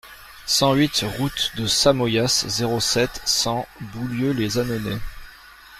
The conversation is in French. cent huit route de Samoyas, zéro sept, cent, Boulieu-lès-Annonay